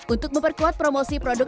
untuk memperkuat promosi produknya